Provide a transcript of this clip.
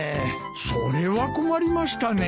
それは困りましたね。